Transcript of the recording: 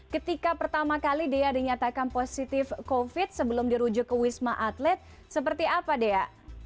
ketika pertama kali dea dinyatakan positif covid sebelum dirujuk ke wisma atlet seperti apa dea